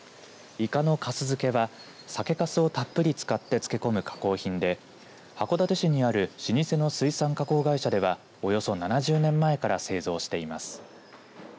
いかのかす漬けは酒かすをたっぷり使って漬け込む加工品で函館市にある老舗の水産加工会社ではおよそ７０年前から製造しています。